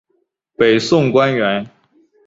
北宋官员。